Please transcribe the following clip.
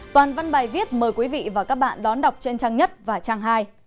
toàn văn bài viết mời quý vị và các bạn đón đọc trên trang nhất và trang hai